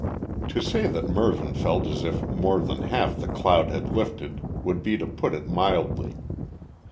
To say that Mervyn felt as if more than half the cloud had lifted would be to put it mildly.